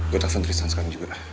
gue telepon tristan sekarang juga